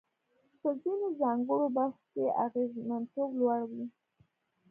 په ځینو ځانګړو برخو کې اغېزمنتوب لوړ وي.